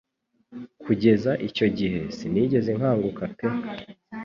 Kugeza icyo gihe sinigeze nkanguka pe